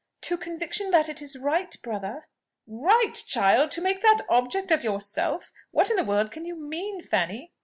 "To conviction that it is right, brother." "Right, child, to make that object of yourself? What in the world can you mean, Fanny?"